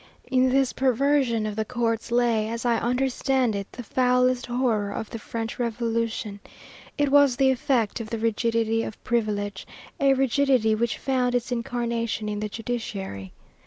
In this perversion of the courts lay, as I understand it, the foulest horror of the French Revolution. It was the effect of the rigidity of privilege, a rigidity which found its incarnation in the judiciary.